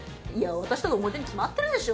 私との思い出に決まってるでしょ！